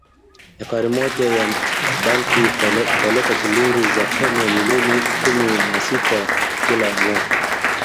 Ekari moja ya bangi italeta shilingi za Kenya milioni kumi na sita kila mwaka